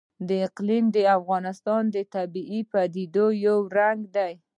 اقلیم د افغانستان د طبیعي پدیدو یو رنګ دی.